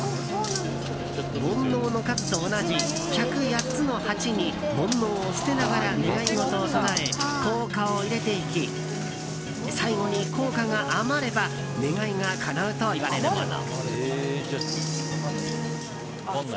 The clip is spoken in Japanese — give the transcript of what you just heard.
煩悩の数と同じ１０８つの鉢に煩悩を捨てながら願い事を唱え硬貨を入れていき最後に硬貨が余れば願いがかなうといわれるもの。